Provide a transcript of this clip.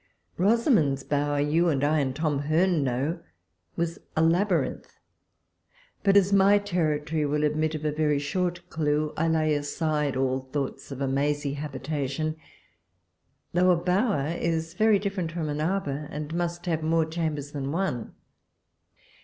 Rosamund's bower, you and I, and Tom Hearne know, was a labyrinth: but as my territory will admit of a very short clew, I lay aside all thoughts of a mazy habitation : though a bower is very differ ent from an arbour, and must have more cham bers than one.